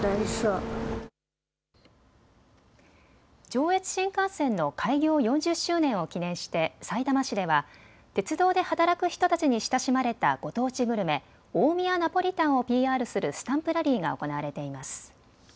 上越新幹線の開業４０周年を記念して、さいたま市では鉄道で働く人たちに親しまれたご当地グルメ、大宮ナポリタンをＰＲするスタンプラリーが行われています。